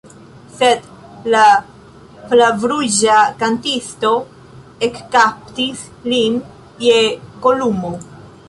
Sed la flavruĝa kantisto ekkaptis lin je kolumo.